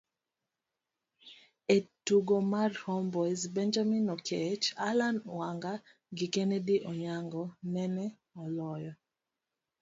ei tugo mar Homeboyz, Benjamin Oketch, Allan Wanga gi Kennedy Onyango nene oloyo